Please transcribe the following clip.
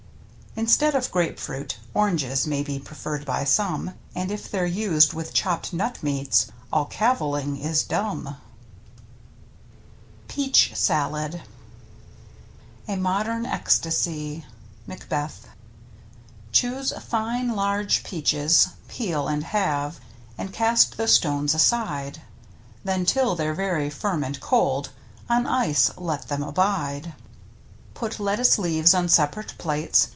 Instead of grape fruit — oranges May be preferred by some, And if they're used with chopped nut meats All cavilling is dumb. ^' m M^StntXf Mecefiitis =^ PEACH SALAD A modern ecstasy. — Macbeth. Choose fine large peaches, peel and halve, And cast the stones aside, Then, till they're very firm and cold, On ice let them abide. Put lettuce leaves on separate plates.